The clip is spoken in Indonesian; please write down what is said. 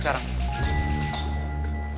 sekarang maju dulu